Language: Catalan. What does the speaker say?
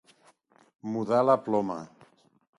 Mudar la ploma.